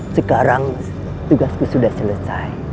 sekarang tugasku sudah selesai